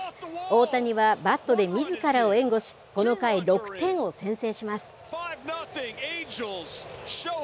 大谷はバットでみずからを援護し、この回、６点を先制します。